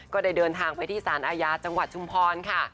ก็ได้เดินทางไปที่สารอาญาจังหวัดชุมพรค่ะ